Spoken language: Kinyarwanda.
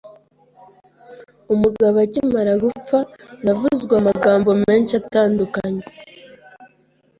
umugabo akimara gupfa navuzwe amagambo menshi atandukanye,